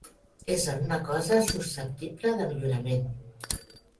Ésser una cosa susceptible de millorament.